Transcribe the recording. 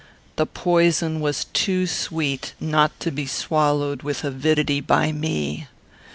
"The poison was too sweet not to be swallowed with avidity by me.